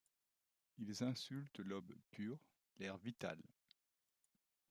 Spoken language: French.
Ils insultent l'aube pure, L'air vital